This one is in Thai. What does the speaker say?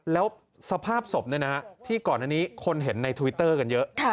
แล้วสภาพศพที่ก่อนอันนี้คนเห็นในทวิตเตอร์กันเยอะ